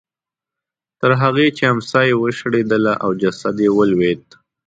تر هغې چې امسا یې وشړېده او جسد یې ولوېد.